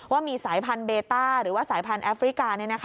ว่ามีสายพันธุเบต้าหรือว่าสายพันธุแอฟริกา